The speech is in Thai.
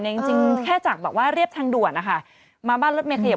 จริงจริงแค่จากแบบว่าเรียบทางด่วนนะคะมาบ้านรถเมยขยับ